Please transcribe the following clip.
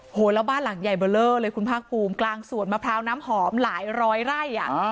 โอ้โหแล้วบ้านหลังใหญ่เบอร์เลอร์เลยคุณภาคภูมิกลางสวนมะพร้าวน้ำหอมหลายร้อยไร่อ่ะ